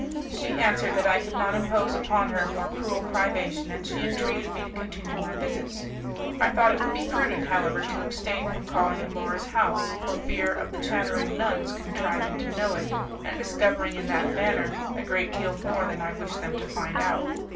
She answered that I could not impose upon her a more cruel privation, and she entreated me to continue my visits. I thought it would be prudent, however, to abstain from calling at Laura's house, for fear of the chattering nuns contriving to know it, and discovering in that manner a great deal more than I wished them to find out.